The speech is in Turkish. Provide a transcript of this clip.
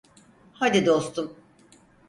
Hadi dostum.